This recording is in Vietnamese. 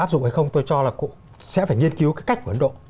áp dụng hay không tôi cho là cũng sẽ phải nghiên cứu cái cách của ấn độ